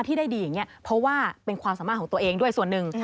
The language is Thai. ที่ได้ดีอย่างนี้เพราะว่าเป็นความสามารถของตัวเองด้วยส่วนหนึ่ง